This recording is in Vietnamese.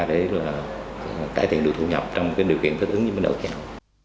để cải thiện được thu nhập trong điều kiện thích ứng với đầu giàu